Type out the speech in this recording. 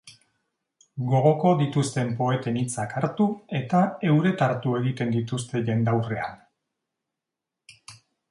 Gogoko dituzten poeten hitzak hartu, eta euretartu egiten dituzte jendaurrean.